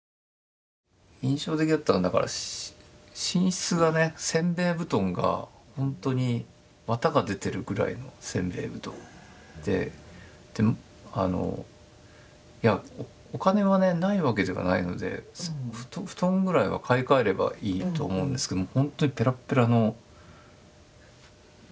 印象的だったのだから寝室がね煎餅布団がほんとに綿が出てるぐらいの煎餅布団であのいやお金はねないわけではないので布団ぐらいは買い替えればいいと思うんですけどもほんとにぺらぺらの。